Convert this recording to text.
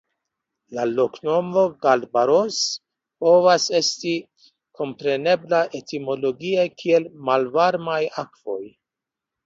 La loknomo "Galbarros" povas esti komprenebla etimologie kiel Malvarmaj Akvoj.